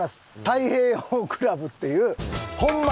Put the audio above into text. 太平洋クラブっていうホンマ